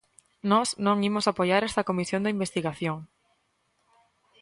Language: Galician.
Nós non imos apoiar esta comisión de investigación.